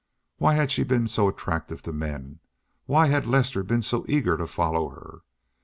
Why had she been so attractive to men? Why had Lester been so eager to follow her?